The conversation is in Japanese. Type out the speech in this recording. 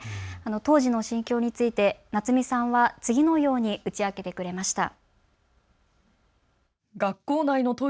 当時の心境についてナツミさんは次のように打ち明けてくれました。